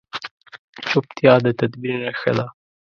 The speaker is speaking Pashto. چپتیا، د تدبیر نښه ده.